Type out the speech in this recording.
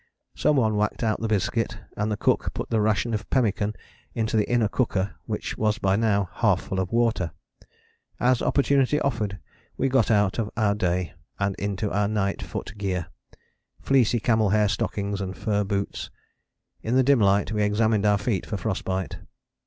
Some one whacked out the biscuit, and the cook put the ration of pemmican into the inner cooker which was by now half full of water. As opportunity offered we got out of our day, and into our night foot gear fleecy camel hair stockings and fur boots. In the dim light we examined our feet for frost bite.